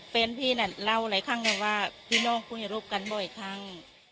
แฟนพี่น่ะเล่าหลายครั้งแล้วว่าพี่น้องคุยรบกันบ่อยครั้ง